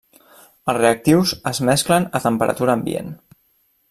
Els reactius es mesclen a temperatura ambient.